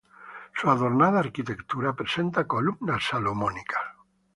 Su adornada arquitectura presenta columnas salomónicas.